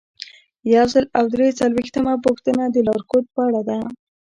یو سل او درې څلویښتمه پوښتنه د لارښوود په اړه ده.